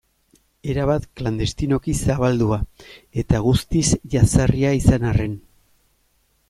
Erabat klandestinoki zabaldua eta guztiz jazarria izan arren.